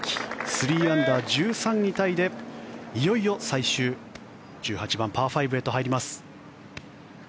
３アンダー、１３位タイでいよいよ最終１８番、パー５へと入ります。